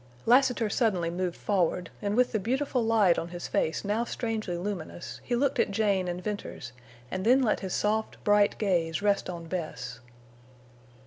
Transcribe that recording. Lassiter suddenly moved forward, and with the beautiful light on his face now strangely luminous, he looked at Jane and Venters and then let his soft, bright gaze rest on Bess.